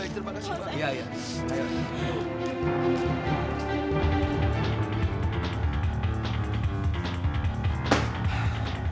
terima kasih pak